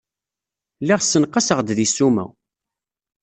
Lliɣ ssenqaseɣ-d deg ssuma.